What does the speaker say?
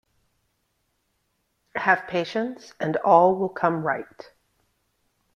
Have patience and all will come right.